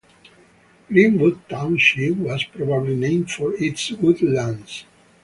Greenwood Township was probably named for its woodlands.